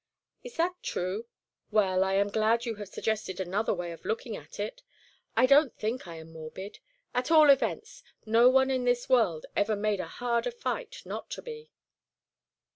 "Is that true? Well, I am glad you have suggested another way of looking at it. I don't think I am morbid. At all events no one in this world ever made a harder fight not to be."